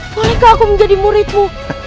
bolehkah aku menjadi muridmu